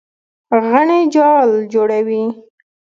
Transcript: غڼې جال جوړوي.